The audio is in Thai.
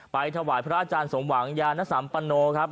ถวายพระอาจารย์สมหวังยานสัมปโนครับ